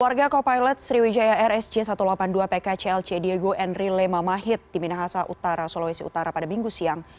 keluarga co pilot sriwijaya air sj satu ratus delapan puluh dua pkclc diego henry lemahit di minahasa utara sulawesi utara pada minggu siang